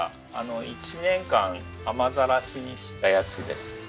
１年間雨ざらしにしたやつです。